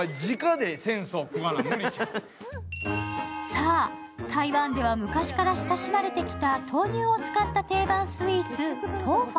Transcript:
さあ、台湾では昔から親しまれてきた豆乳を使った定番スイーツ、豆花。